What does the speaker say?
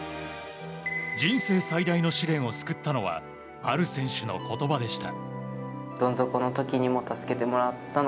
人生最大の試練を救ったのはある選手の言葉でした。